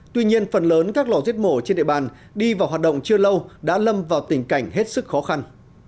tuy nhiên phần lớn các lò giết mổ trên địa bàn đi vào hoạt động chưa lâu đã lâm vào tình cảnh hết sức khó khăn